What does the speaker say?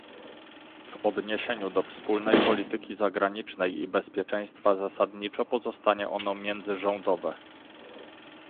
W odniesieniu do wspólnej polityki zagranicznej i bezpieczeństwa zasadniczo pozostanie ono międzyrządowe